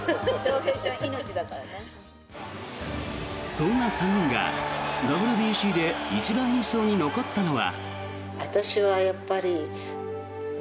そんな３人が、ＷＢＣで一番印象に残ったのは。